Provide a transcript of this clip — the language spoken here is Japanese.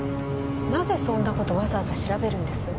なぜそんな事わざわざ調べるんです？